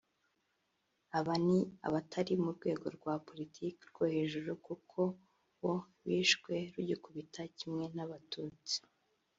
Aba ni abatari mu rwego rwa politiki rwo hejuru kuko bo bishwe rugikubita kimwe n’Abatutsi